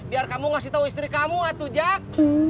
biar kamu ngasih tau istri kamu atu jak